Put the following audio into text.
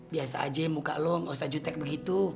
biasa aja muka lo gak usah jutek begitu